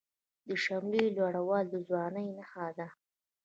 د شملې لوړوالی د ځوانۍ نښه ده.